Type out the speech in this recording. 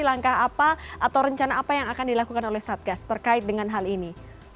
langkah apa atau rencana apa yang akan dilakukan oleh satgas terkait dengan hal ini